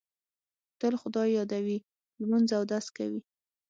تل خدای یادوي، لمونځ اودس کوي.